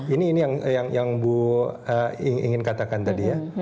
ini yang bu ingin katakan tadi ya